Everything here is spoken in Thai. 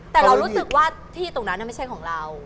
แต่เรารู้สึกว่าที่ตรงนั้นไม่ใช่ของเรา